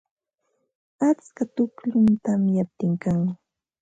Atska tukllum tamyaptin kan.